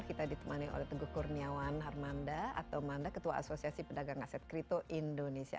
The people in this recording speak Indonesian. kita ditemani oleh teguh kurniawan harmanda atau manda ketua asosiasi pedagang aset kripto indonesia